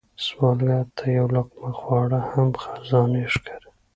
سوالګر ته یو لقمه خواړه هم خزانې ښکاري